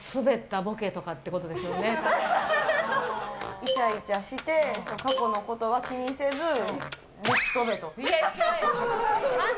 イチャイチャして過去のことは気にせずぶっ飛べと。